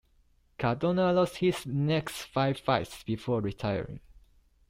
Cardona lost his next five fights before retiring.